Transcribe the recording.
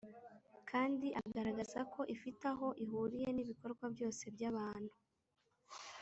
kandi agaragaza ko ifite aho ihuriye n’ibikorwa byose by’abantu.